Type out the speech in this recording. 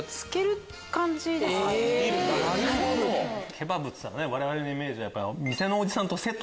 ケバブっつったら我々のイメージは。